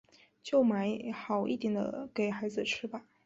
就买好一点的给孩子吃吧